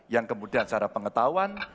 yang kemudian secara pengetahuan